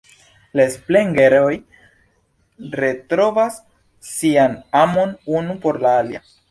La Spengler-oj retrovas sian amon unu por la alia.